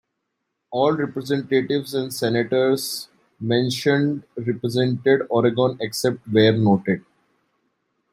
All representatives and senators mentioned represented Oregon except where noted.